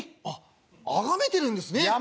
あっあがめてるんですね。